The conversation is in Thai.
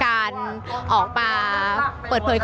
อย่างที่บอกไปว่าเรายังยึดในเรื่องของข้อ